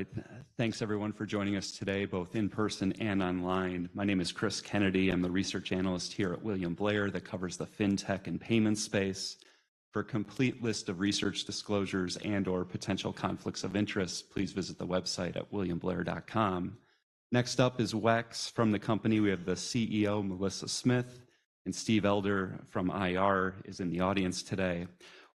All right. Thanks everyone for joining us today, both in person and online. My name is Cris Kennedy. I'm the research analyst here at William Blair, that covers the fintech and payment space. For a complete list of research disclosures and/or potential conflicts of interest, please visit the website at williamblair.com. Next up is WEX. From the company, we have the CEO, Melissa Smith, and Steve Elder from IR is in the audience today.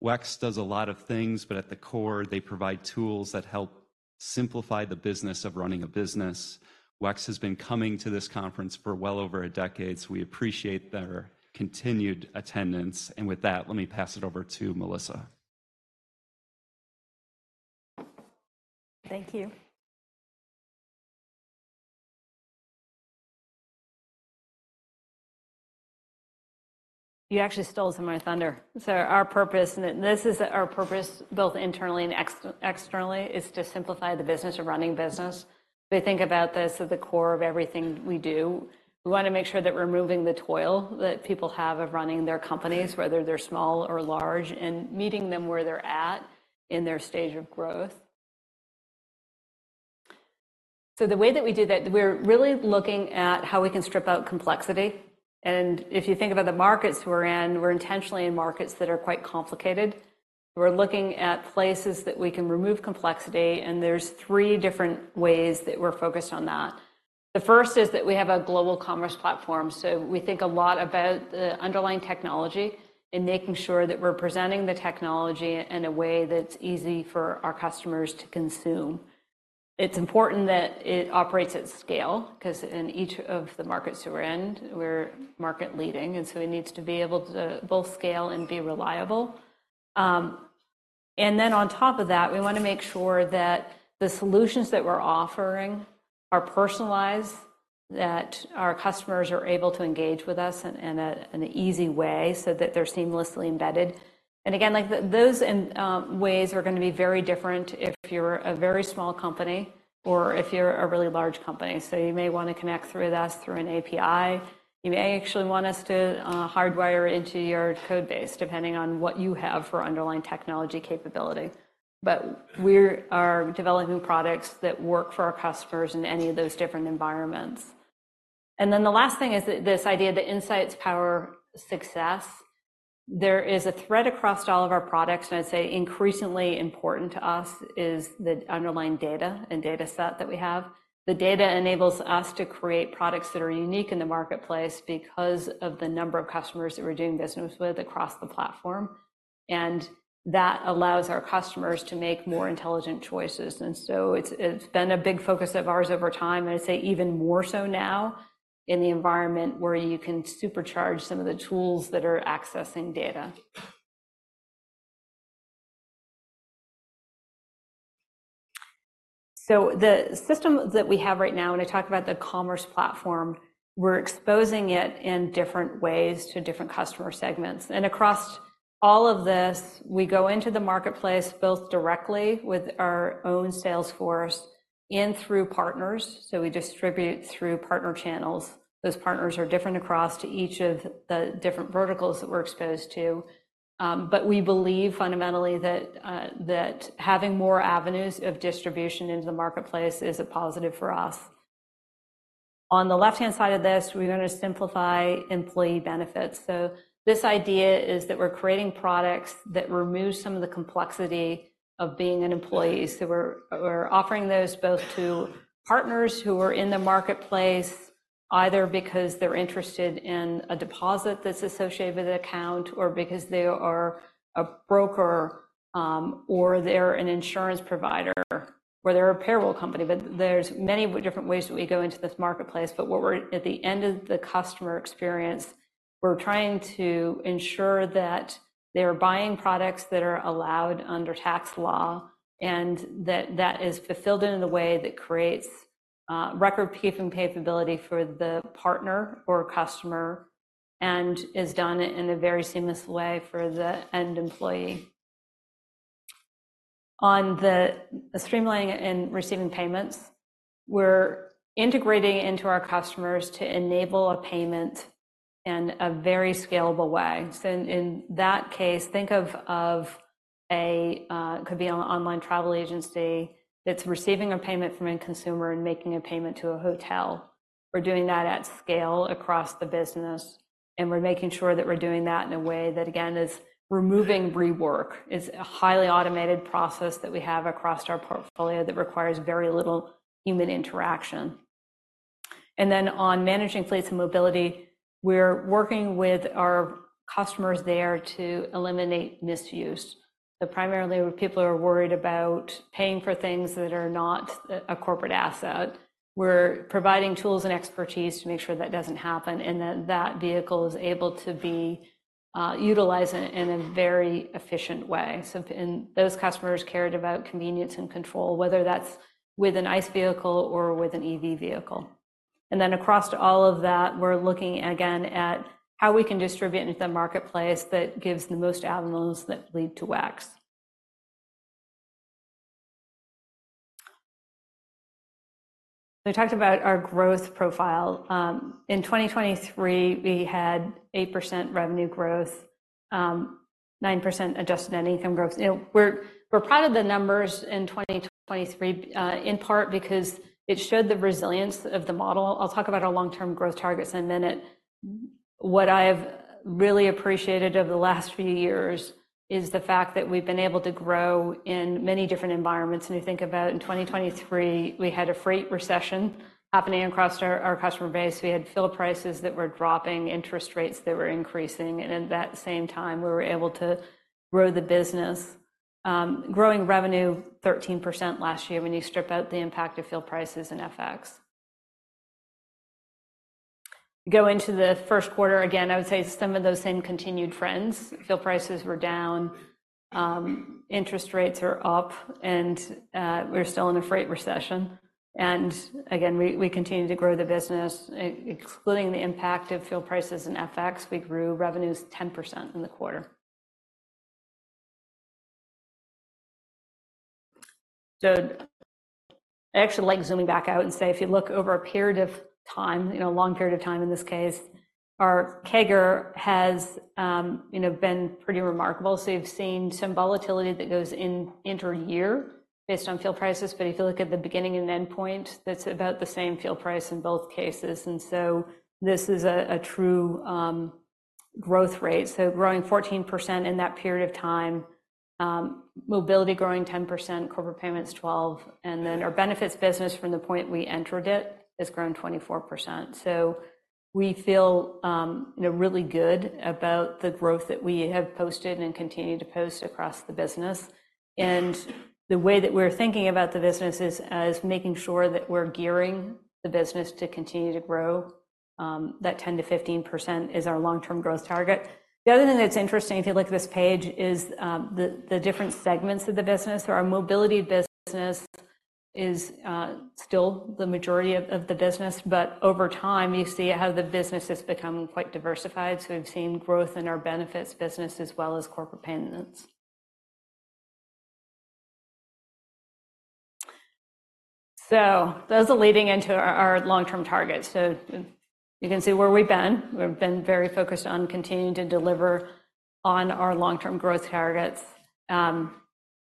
WEX does a lot of things, but at the core, they provide tools that help simplify the business of running a business. WEX has been coming to this conference for well over a decade, so we appreciate their continued attendance, and with that, let me pass it over to Melissa. Thank you. You actually stole some of my thunder. So our purpose, and this is our purpose both internally and externally, is to simplify the business of running business. We think about this at the core of everything we do. We wanna make sure that we're removing the toil that people have of running their companies, whether they're small or large, and meeting them where they're at in their stage of growth. So the way that we do that, we're really looking at how we can strip out complexity. And if you think about the markets we're in, we're intentionally in markets that are quite complicated. We're looking at places that we can remove complexity, and there's three different ways that we're focused on that. The first is that we have a global commerce platform, so we think a lot about the underlying technology and making sure that we're presenting the technology in a way that's easy for our customers to consume. It's important that it operates at scale, 'cause in each of the markets that we're in, we're market leading, and so it needs to be able to both scale and be reliable. And then on top of that, we wanna make sure that the solutions that we're offering are personalized, that our customers are able to engage with us in an easy way so that they're seamlessly embedded. And again, like, those ways are gonna be very different if you're a very small company or if you're a really large company. So you may wanna connect through us through an API. You may actually want us to hardwire into your code base, depending on what you have for underlying technology capability. But we're developing products that work for our customers in any of those different environments. And then the last thing is this idea that insights power success. There is a thread across all of our products, and I'd say increasingly important to us is the underlying data and dataset that we have. The data enables us to create products that are unique in the marketplace because of the number of customers that we're doing business with across the platform, and that allows our customers to make more intelligent choices. And so it's been a big focus of ours over time, and I'd say even more so now in the environment where you can supercharge some of the tools that are accessing data. The system that we have right now, when I talk about the commerce platform, we're exposing it in different ways to different customer segments. Across all of this, we go into the marketplace, both directly with our own sales force and through partners, so we distribute through partner channels. Those partners are different across to each of the different verticals that we're exposed to, but we believe fundamentally that having more avenues of distribution into the marketplace is a positive for us. On the left-hand side of this, we're gonna simplify employee benefits. This idea is that we're creating products that remove some of the complexity of being an employee. So we're offering those both to partners who are in the marketplace, either because they're interested in a deposit that's associated with an account, or because they are a broker, or they're an insurance provider, or they're a payroll company. But there's many different ways that we go into this marketplace. At the end of the customer experience, we're trying to ensure that they are buying products that are allowed under tax law, and that that is fulfilled in a way that creates recordkeeping and payability for the partner or customer and is done in a very seamless way for the end employee. On the streamlining and receiving payments, we're integrating into our customers to enable a payment in a very scalable way. So in that case, think of a could be an online travel agency that's receiving a payment from a consumer and making a payment to a hotel. We're doing that at scale across the business, and we're making sure that we're doing that in a way that, again, is removing rework. It's a highly automated process that we have across our portfolio that requires very little human interaction. And then on managing fleets and mobility, we're working with our customers there to eliminate misuse. So primarily, where people are worried about paying for things that are not a corporate asset, we're providing tools and expertise to make sure that doesn't happen, and that that vehicle is able to be utilized in a very efficient way. So, and those customers cared about convenience and control, whether that's with an ICE vehicle or with an EV vehicle. And then across to all of that, we're looking again at how we can distribute into the marketplace that gives the most avenues that lead to WEX. We talked about our growth profile. In 2023, we had 8% revenue growth, 9% adjusted net income growth. You know, we're, we're proud of the numbers in 2023, in part because it showed the resilience of the model. I'll talk about our long-term growth targets in a minute. What I've really appreciated over the last few years is the fact that we've been able to grow in many different environments. When you think about in 2023, we had a freight recession happening across our, our customer base. We had fuel prices that were dropping, interest rates that were increasing, and at that same time, we were able to grow the business. Growing revenue 13% last year, when you strip out the impact of fuel prices and FX. Go into the first quarter, again, I would say some of those same continued trends. Fuel prices were down, interest rates are up, and we're still in a freight recession. And again, we continued to grow the business. Excluding the impact of fuel prices and FX, we grew revenues 10% in the quarter. So I actually like zooming back out and say, if you look over a period of time, you know, a long period of time in this case, our CAGR has, you know, been pretty remarkable. So you've seen some volatility that goes intra-year based on fuel prices, but if you look at the beginning and end point, that's about the same fuel price in both cases, and so this is a true growth rate. So growing 14% in that period of time, Mobility growing 10%, Corporate Payments 12%, and then our Benefits business from the point we entered it, has grown 24%. So we feel, you know, really good about the growth that we have posted and continue to post across the business. And the way that we're thinking about the business is as making sure that we're gearing the business to continue to grow. That 10%-15% is our long-term growth target. The other thing that's interesting, if you look at this page, is the different segments of the business. So our Mobility business is still the majority of the business, but over time, you see how the business has become quite diversified. So we've seen growth in our Benefits business as well as Corporate Payments. So those are leading into our long-term targets. So you can see where we've been. We've been very focused on continuing to deliver on our long-term growth targets.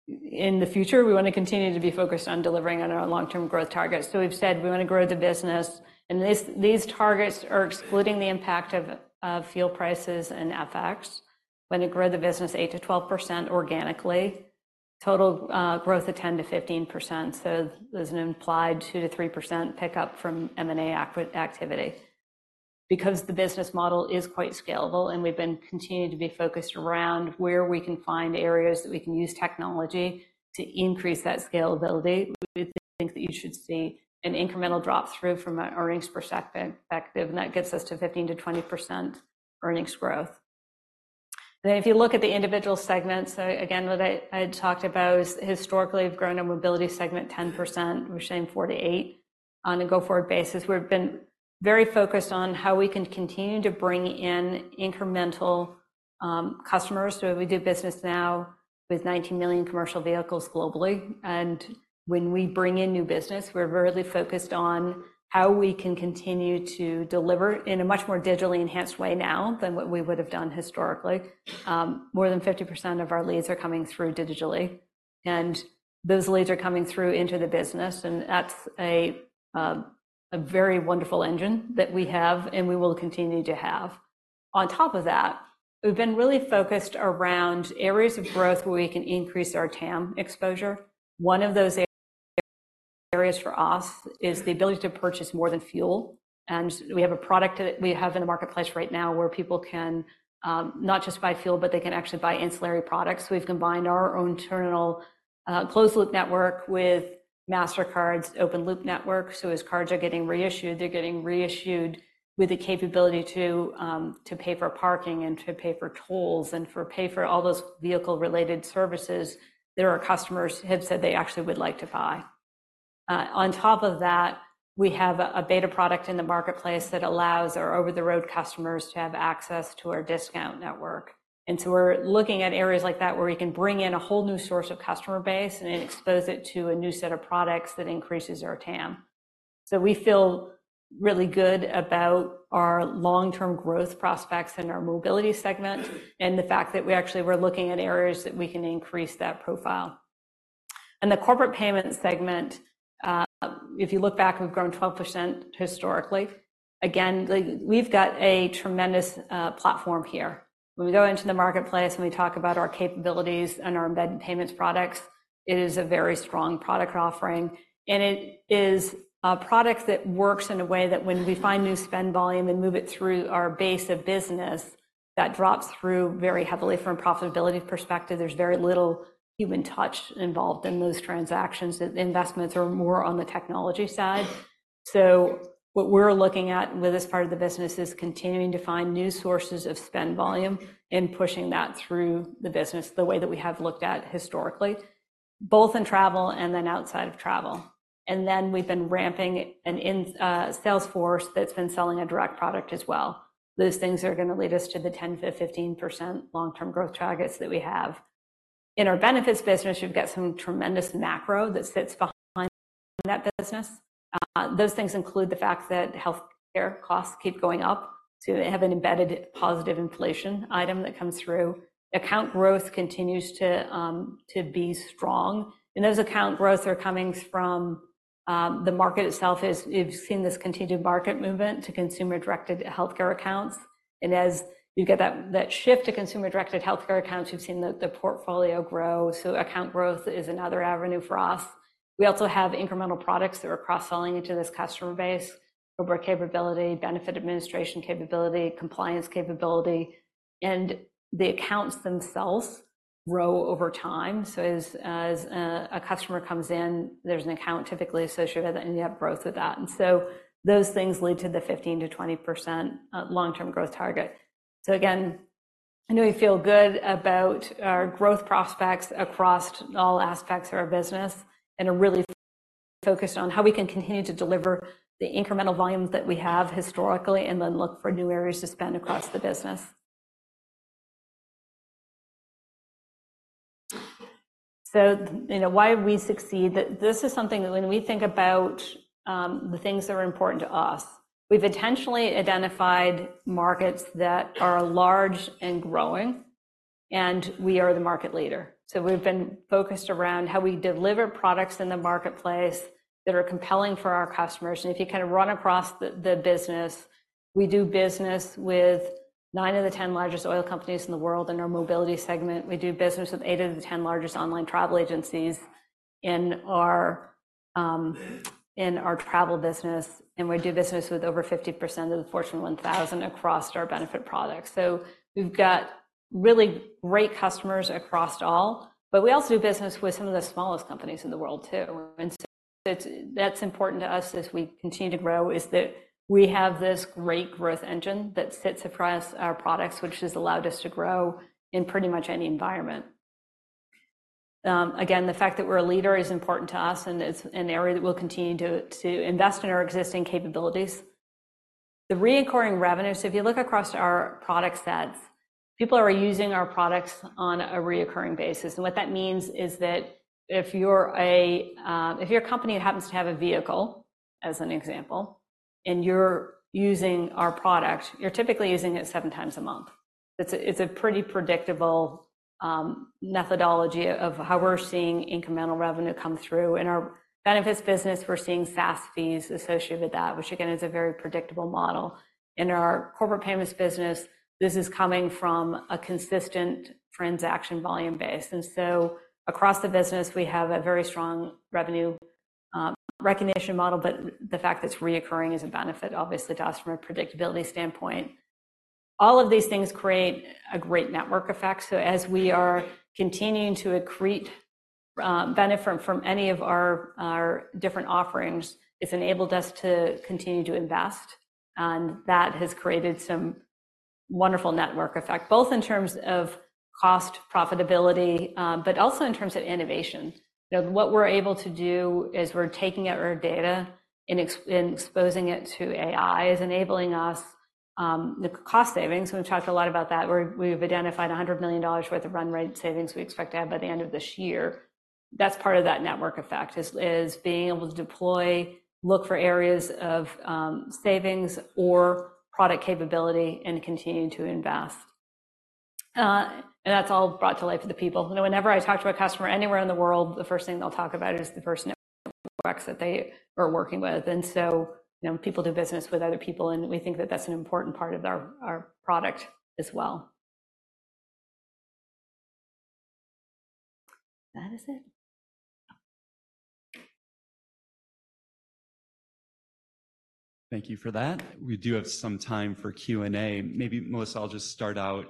In the future, we want to continue to be focused on delivering on our long-term growth targets. So we've said we want to grow the business, and these targets are excluding the impact of fuel prices and FX. Want to grow the business 8%-12% organically, total growth of 10%-15%, so there's an implied 2%-3% pickup from M&A activity. Because the business model is quite scalable, and we've been continuing to be focused around where we can find areas that we can use technology to increase that scalability, we think that you should see an incremental drop-through from an earnings perspective, and that gets us to 15%-20% earnings growth. Then if you look at the individual segments, so again, what I had talked about is, historically, we've grown our mobility segment 10%. We're saying 4%-8% on a go-forward basis. We've been very focused on how we can continue to bring in incremental customers. So we do business now with 19 million commercial vehicles globally, and when we bring in new business, we're really focused on how we can continue to deliver in a much more digitally enhanced way now than what we would have done historically. More than 50% of our leads are coming through digitally, and those leads are coming through into the business, and that's a very wonderful engine that we have, and we will continue to have. On top of that, we've been really focused around areas of growth where we can increase our TAM exposure. One of those areas for us is the ability to purchase more than fuel, and we have a product that we have in the marketplace right now, where people can, not just buy fuel, but they can actually buy ancillary products. We've combined our own internal closed-loop network with Mastercard's open-loop network, so as cards are getting reissued, they're getting reissued with the capability to pay for parking and to pay for tolls and for pay for all those vehicle-related services that our customers have said they actually would like to buy. On top of that, we have a beta product in the marketplace that allows our over-the-road customers to have access to our discount network. And so we're looking at areas like that, where we can bring in a whole new source of customer base and expose it to a new set of products that increases our TAM. So we feel really good about our long-term growth prospects in our mobility segment and the fact that we actually were looking at areas that we can increase that profile. In the Corporate Payments segment, if you look back, we've grown 12% historically. Again, we've got a tremendous platform here. When we go into the marketplace, and we talk about our capabilities and our Embedded Payments products, it is a very strong product offering, and it is a product that works in a way that when we find new spend volume and move it through our base of business, that drops through very heavily from a profitability perspective. There's very little human touch involved in those transactions. The investments are more on the technology side. So what we're looking at with this part of the business is continuing to find new sources of spend volume and pushing that through the business the way that we have looked at historically, both in travel and then outside of travel. And then we've been ramping in, Salesforce that's been selling a direct product as well. Those things are going to lead us to the 10%-15% long-term growth targets that we have. In our Benefits business, you've got some tremendous macro that sits behind that business. Those things include the fact that healthcare costs keep going up, to have an embedded positive inflation item that comes through. Account growth continues to be strong, and those account growth are coming from the market itself. We've seen this continued market movement to consumer-directed healthcare accounts. And as you get that, that shift to consumer-directed healthcare accounts, you've seen the portfolio grow. So account growth is another avenue for us. We also have incremental products that are cross-selling into this customer base: Corporate capability, Benefit Administration capability, Compliance capability. The accounts themselves grow over time. So as a customer comes in, there's an account typically associated, and you have growth with that. And so those things lead to the 15%-20% long-term growth target. So again, I know we feel good about our growth prospects across all aspects of our business and are really focused on how we can continue to deliver the incremental volumes that we have historically and then look for new areas to spend across the business. So, you know, why we succeed? This is something that when we think about the things that are important to us, we've intentionally identified markets that are large and growing, and we are the market leader. So we've been focused around how we deliver products in the marketplace that are compelling for our customers. If you kind of run across the business, we do business with nine of the 10 largest oil companies in the world in our mobility segment. We do business with eight of the 10 largest online travel agencies in our travel business, and we do business with over 50% of the Fortune 1000 across our benefit products. We've got really great customers across all, but we also do business with some of the smallest companies in the world, too. And so that's important to us as we continue to grow, is that we have this great growth engine that sits across our products, which has allowed us to grow in pretty much any environment. Again, the fact that we're a leader is important to us and is an area that we'll continue to invest in our existing capabilities. The recurring revenue, so if you look across our product sets, people are using our products on a recurring basis. And what that means is that if you're a company that happens to have a vehicle, as an example, and you're using our product, you're typically using it seven times a month. It's a pretty predictable methodology of how we're seeing incremental revenue come through. In our benefits business, we're seeing SaaS fees associated with that, which again, is a very predictable model. In our corporate payments business, this is coming from a consistent transaction volume base, and so across the business, we have a very strong revenue recognition model. But the fact that it's recurring is a benefit, obviously, to us from a predictability standpoint. All of these things create a great network effect, so as we are continuing to accrete, benefit from any of our different offerings, it's enabled us to continue to invest, and that has created some wonderful network effect, both in terms of cost profitability, but also in terms of innovation. Now, what we're able to do is we're taking our data and exposing it to AI, enabling us the cost savings, and we've talked a lot about that, where we've identified $100 million worth of run rate savings we expect to have by the end of this year. That's part of that network effect, being able to deploy, look for areas of savings or product capability and continue to invest. And that's all brought to life of the people. You know, whenever I talk to a customer anywhere in the world, the first thing they'll talk about is the person that they are working with. And so, you know, people do business with other people, and we think that that's an important part of our, our product as well. That is it. Thank you for that. We do have some time for Q&A. Maybe, Melissa, I'll just start out.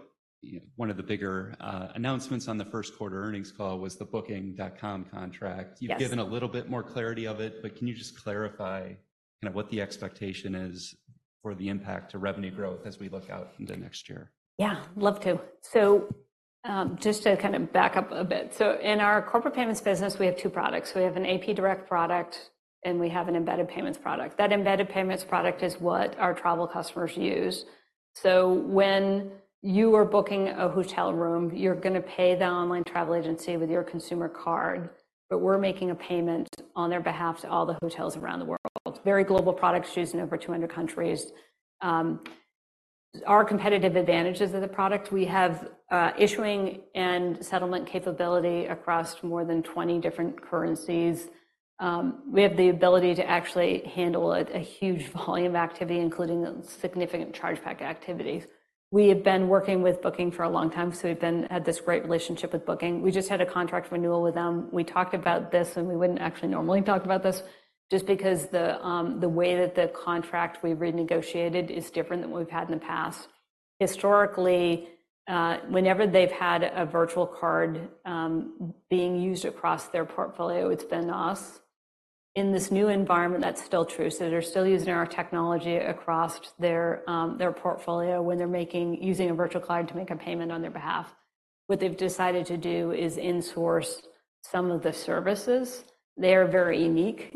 One of the bigger announcements on the first quarter earnings call was the Booking.com contract. Yes. You've given a little bit more clarity of it, but can you just clarify kind of what the expectation is for the impact to revenue growth as we look out into next year? Yeah, love to. So, just to kind of back up a bit. So in our Corporate Payments business, we have two products. We have an AP Direct product, and we have an Embedded Payments product. That Embedded Payments product is what our travel customers use. So when you are booking a hotel room, you're gonna pay the online travel agency with your consumer card, but we're making a payment on their behalf to all the hotels around the world. Very global product, it's used in over 200 countries. Our competitive advantages of the product, we have issuing and settlement capability across more than 20 different currencies. We have the ability to actually handle a huge volume of activity, including significant chargeback activities. We have been working with Booking for a long time, so we've had this great relationship with Booking. We just had a contract renewal with them. We talked about this, and we wouldn't actually normally talk about this just because the way that the contract we renegotiated is different than what we've had in the past. Historically, whenever they've had a virtual card being used across their portfolio, it's been us. In this new environment, that's still true, so they're still using our technology across their portfolio when they're using a virtual card to make a payment on their behalf. What they've decided to do is insource some of the services. They are very unique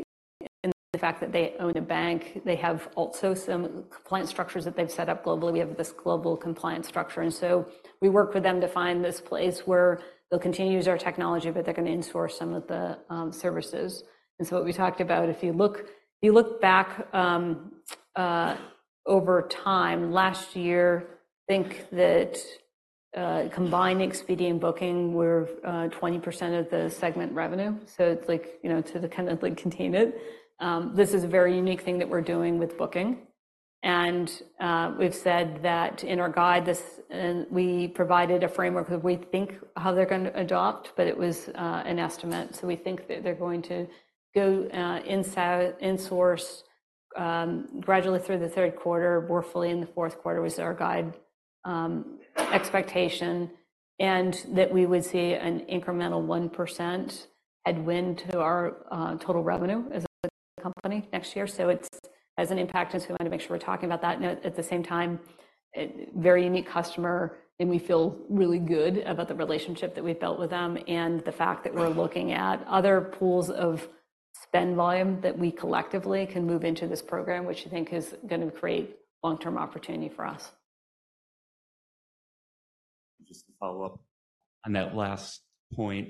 and the fact that they own a bank, they have also some compliance structures that they've set up globally. We have this global compliance structure, and so we worked with them to find this place where they'll continue to use our technology, but they're gonna in-source some of the services. And so what we talked about, if you look back over time, last year, I think that combining Expedia and Booking were 20% of the segment revenue. So it's like, you know, to the kind of like contain it. This is a very unique thing that we're doing with Booking, and we've said that in our guide, we provided a framework of we think how they're gonna adopt, but it was an estimate. So we think that they're going to go inside, in-source gradually through the third quarter. We're fully in the fourth quarter, was our guide, expectation, and that we would see an incremental 1% headwind to our total revenue as a company next year. So it's, has an impact, and so we want to make sure we're talking about that. Now, at the same time, a very unique customer, and we feel really good about the relationship that we've built with them and the fact that we're looking at other pools of spend volume that we collectively can move into this program, which I think is gonna create long-term opportunity for us. Just to follow up on that last point,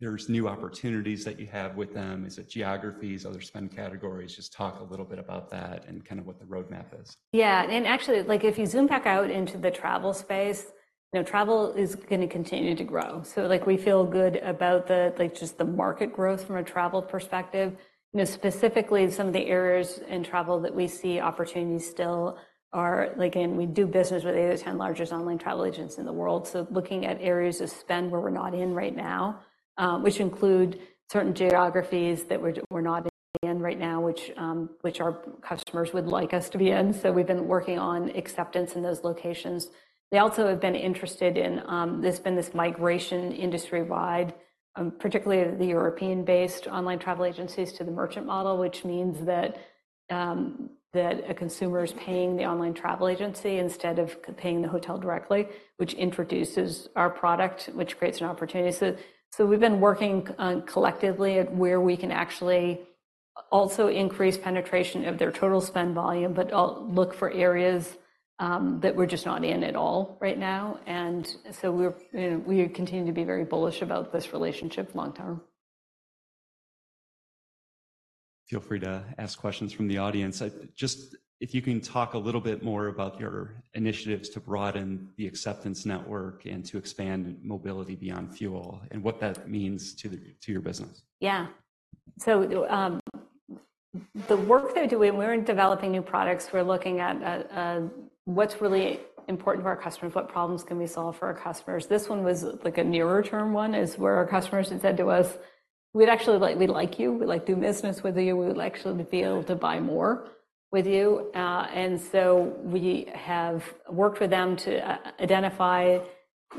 there's new opportunities that you have with them. Is it geographies, other spend categories? Just talk a little bit about that and kind of what the roadmap is. Yeah, and actually, like, if you zoom back out into the travel space, you know, travel is gonna continue to grow. So, like, we feel good about the, like, just the market growth from a travel perspective. You know, specifically, some of the areas in travel that we see opportunities still are, like, we do business with eight of the 10 largest online travel agents in the world. So looking at areas of spend where we're not in right now, which include certain geographies that we're not in right now, which our customers would like us to be in, so we've been working on acceptance in those locations. They also have been interested in, there's been this migration industry-wide, particularly the European-based online travel agencies, to the merchant model, which means that that a consumer is paying the online travel agency instead of paying the hotel directly, which introduces our product, which creates an opportunity. So, so we've been working on collectively at where we can actually also increase penetration of their total spend volume, but look for areas that we're just not in at all right now. And so we're, we continue to be very bullish about this relationship long term. Feel free to ask questions from the audience. Just if you can talk a little bit more about your initiatives to broaden the acceptance network and to expand mobility beyond fuel and what that means to your business. Yeah. So, the work that we're doing, we're developing new products. We're looking at what's really important to our customers, what problems can we solve for our customers. This one was, like, a nearer-term one, is where our customers had said to us, we'd actually like, we like you. We like doing business with you. We would like actually to be able to buy more with you. And so we have worked with them to identify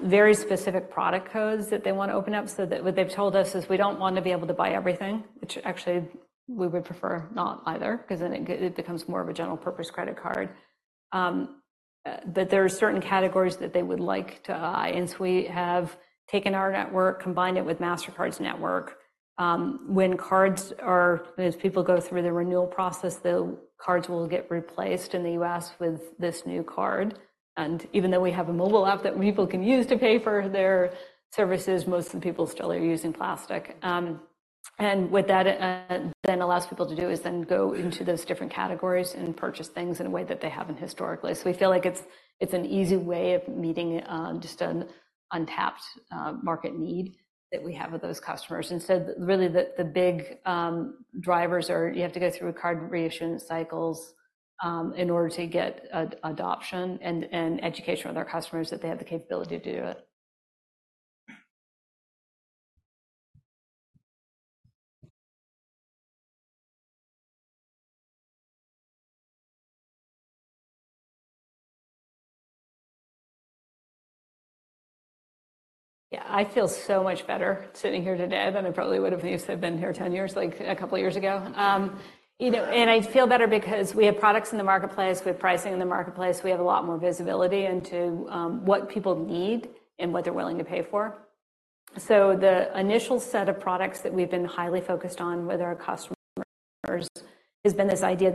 very specific product codes that they want to open up. So that what they've told us is, we don't want to be able to buy everything, which actually we would prefer not either, 'cause then it becomes more of a general purpose credit card. But there are certain categories that they would like to buy, and so we have taken our network, combined it with Mastercard's network. When these people go through the renewal process, the cards will get replaced in the U.S. with this new card. And even though we have a mobile app that people can use to pay for their services, most of the people still are using plastic. And what that then allows people to do is then go into those different categories and purchase things in a way that they haven't historically. So we feel like it's an easy way of meeting just an untapped market need that we have with those customers. And so really, the big drivers are, you have to go through card reissuance cycles, in order to get adoption and education with our customers that they have the capability to do it. Yeah, I feel so much better sitting here today than I probably would've if I'd been here 10 years, like, a couple of years ago. You know, and I feel better because we have products in the marketplace. We have pricing in the marketplace. We have a lot more visibility into what people need and what they're willing to pay for. So the initial set of products that we've been highly focused on with our customers has been this idea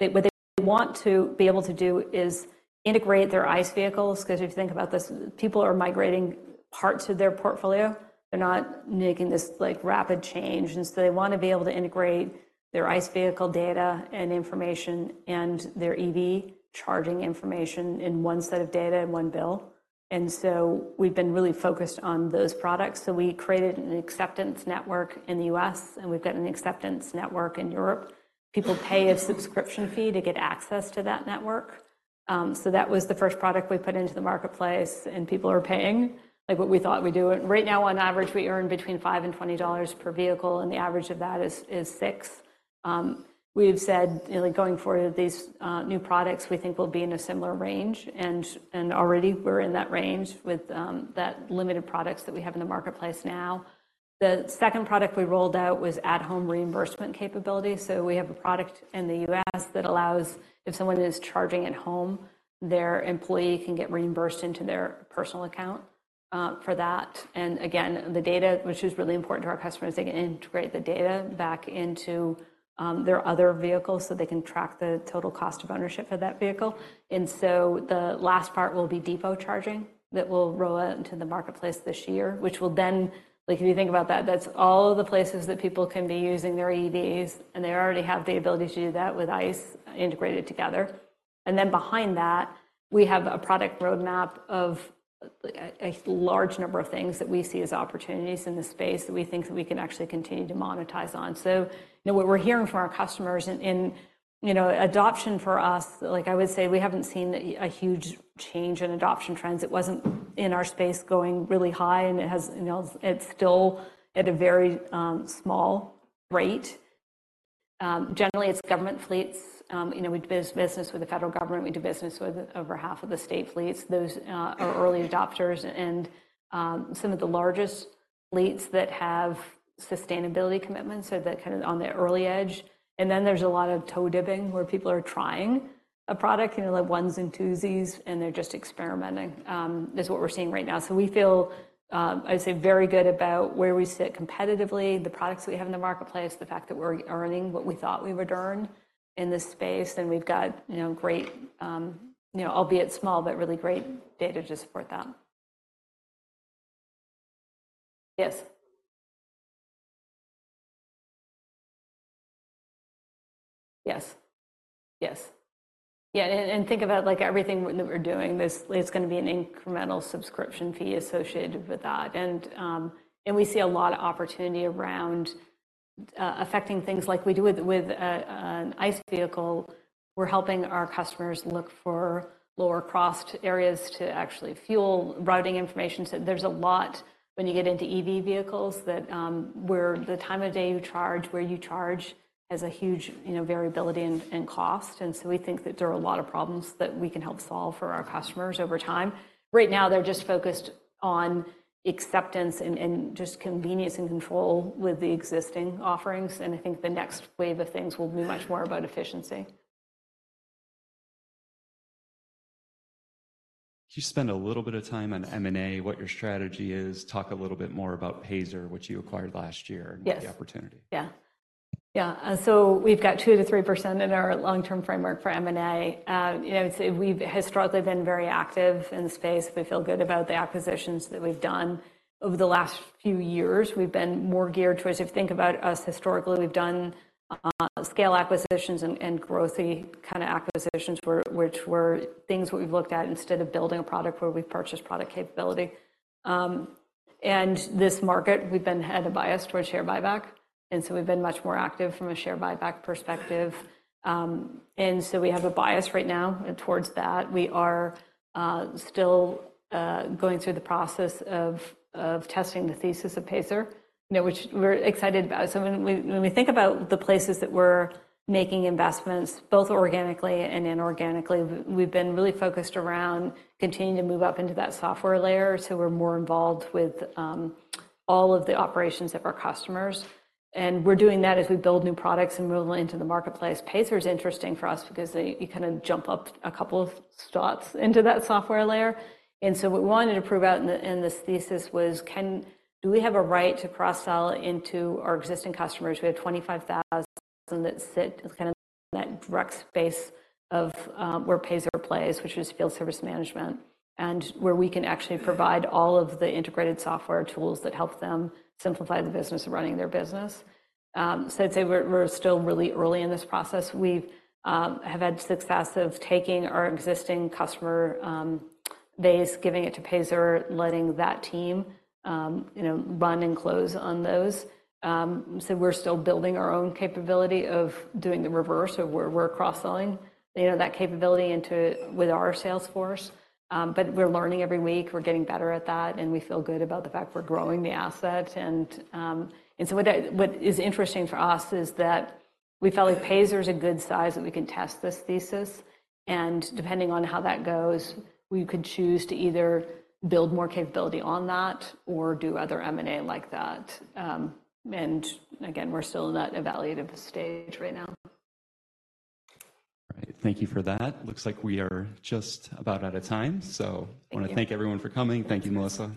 that what they want to be able to do is integrate their ICE vehicles. 'Cause if you think about this, people are migrating parts of their portfolio. They're not making this, like, rapid change, and so they want to be able to integrate their ICE vehicle data and information and their EV charging information in one set of data and one bill. And so we've been really focused on those products, so we created an acceptance network in the U.S., and we've got an acceptance network in Europe. People pay a subscription fee to get access to that network. So that was the first product we put into the marketplace, and people are paying like what we thought we'd do. Right now, on average, we earn between $5 and $20 per vehicle, and the average of that is $6. We've said, you know, going forward, these new products we think will be in a similar range, and, and already we're in that range with that limited products that we have in the marketplace now. The second product we rolled out was at-home reimbursement capability. So we have a product in the U.S. that allows if someone is charging at home, their employee can get reimbursed into their personal account for that. And again, the data, which is really important to our customers, they can integrate the data back into their other vehicles so they can track the total cost of ownership for that vehicle. And so the last part will be depot charging that will roll out into the marketplace this year, which will then, like, if you think about that, that's all the places that people can be using their EVs, and they already have the ability to do that with ICE integrated together. And then behind that, we have a product roadmap of a large number of things that we see as opportunities in this space that we think that we can actually continue to monetize on. So, you know, what we're hearing from our customers and, you know, adoption for us, like, I would say, we haven't seen a huge change in adoption trends. It wasn't in our space going really high, and it has, you know, it's still at a very small rate. Generally, it's government fleets. You know, we do business with the federal government. We do business with over half of the state fleets. Those are early adopters, and some of the largest fleets that have sustainability commitments are the kind of on the early edge. And then there's a lot of toe dipping, where people are trying a product, you know, like ones and twosies, and they're just experimenting is what we're seeing right now. So we feel, I'd say, very good about where we sit competitively, the products that we have in the marketplace, the fact that we're earning what we thought we would earn in this space, and we've got, you know, great, you know, albeit small, but really great data to support that. Yes. Yes. Yes. Yeah, and, and think about, like, everything that we're doing, there's gonna be an incremental subscription fee associated with that. We see a lot of opportunity around affecting things like we do with an ICE vehicle. We're helping our customers look for lower-cost areas to actually fuel routing information. So there's a lot when you get into EV vehicles that, where the time of day you charge, where you charge, has a huge, you know, variability in cost. And so we think that there are a lot of problems that we can help solve for our customers over time. Right now, they're just focused on acceptance and just convenience and control with the existing offerings, and I think the next wave of things will be much more about efficiency. Can you spend a little bit of time on M&A, what your strategy is? Talk a little bit more about Payzer, which you acquired last year and the opportunity. Yeah. Yeah, so we've got 2%-3% in our long-term framework for M&A. You know, we've historically been very active in the space. We feel good about the acquisitions that we've done over the last few years. We've been more geared towards, if you think about us historically, we've done scale acquisitions and growthy kind of acquisitions, which were things that we've looked at instead of building a product where we've purchased product capability. And this market, we've had a bias towards share buyback, and so we've been much more active from a share buyback perspective. And so we have a bias right now towards that. We are still going through the process of testing the thesis of Payzer, you know, which we're excited about. So when we, when we think about the places that we're making investments, both organically and inorganically, we've been really focused around continuing to move up into that software layer, so we're more involved with all of the operations of our customers. And we're doing that as we build new products and roll into the marketplace. Payzer is interesting for us because you kind of jump up a couple of stops into that software layer. And so what we wanted to prove out in this thesis was do we have a right to cross-sell into our existing customers? We have 25,000 that sit in kind of that direct space of where Payzer plays, which is field service management, and where we can actually provide all of the integrated software tools that help them simplify the business of running their business. So I'd say we're still really early in this process. We've had success of taking our existing customer base, giving it to Payzer, letting that team, you know, run and close on those. So we're still building our own capability of doing the reverse of where we're cross-selling you know that capability into with our sales force. But we're learning every week. We're getting better at that, and we feel good about the fact we're growing the asset. And so what is interesting for us is that we feel like Payzer is a good size, that we can test this thesis, and depending on how that goes, we could choose to either build more capability on that or do other M&A like that. And again, we're still in that evaluative stage right now. All right. Thank you for that. Looks like we are just about out of time, so- Thank you. I want to thank everyone for coming. Thank you, Melissa.